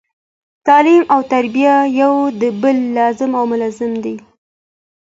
تعلیم او تربیه یو د بل لازم او ملزوم دي